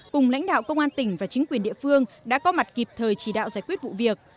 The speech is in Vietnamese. cùng lãnh đạo công an tỉnh và chính quyền địa phương đã có mặt kịp thời chỉ đạo giải quyết vụ việc